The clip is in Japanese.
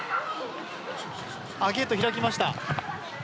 ゲート開きました。